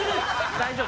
大丈夫。